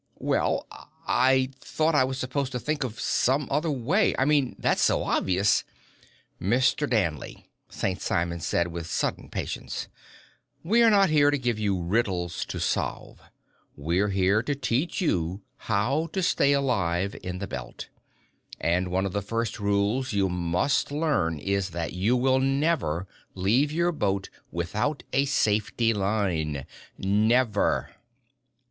"Well ... I thought I was supposed to think of some other way. I mean, that's so obvious " "Mr. Danley," St. Simon said with sudden patience, "we are not here to give you riddles to solve. We're here to teach you how to stay alive in the Belt. And one of the first rules you must learn is that you will never leave your boat without a safety line. _Never!